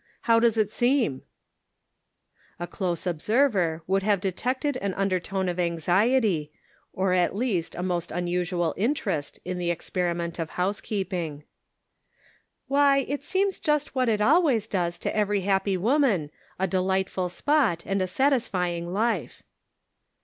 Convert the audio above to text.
How does it seem ?" A close observer would have detected an undertone of anxiety, or at least a most un usual interest in the experiment of house keeping. " Why, it seems just what it always does to every happy woman, a delightful spot, and a satisfying life."